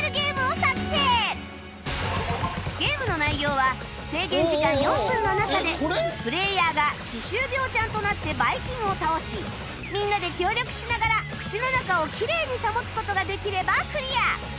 ゲームの内容は制限時間４分の中でプレーヤーが歯周病ちゃんとなってバイキンを倒しみんなで協力しながら口の中をきれいに保つ事ができればクリア